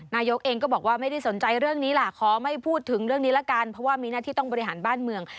นายกเองก็บอกว่าไม่ได้สนใจเรื่องนี้ล่ะขอไม่พูดถึงเรื่องนี้ละกันเพราะว่ามีหน้าที่ต้องบริหารบ้านเมือง